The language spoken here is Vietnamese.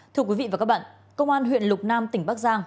thưa quý vị và các bạn công an huyện lục nam tỉnh bắc giang